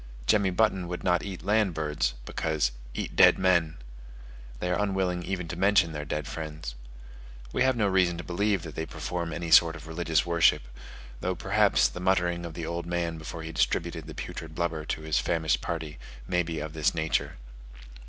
Jemmy Button would not eat land birds, because "eat dead men": they are unwilling even to mention their dead friends. We have no reason to believe that they perform any sort of religious worship; though perhaps the muttering of the old man before he distributed the putrid blubber to his famished party, may be of this nature.